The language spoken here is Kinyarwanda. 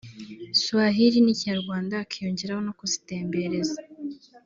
Swahili n’Ikinyarwanda hakiyongeraho no kuzitembereza